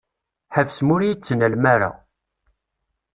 Ḥebsem ur yi-d-ttnalem ara.